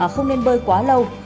không nên bơi quá lâu